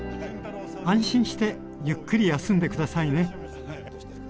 安心してゆっくり休んで下さいね。